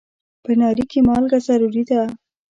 په ناري کې مالګه ضروري ده.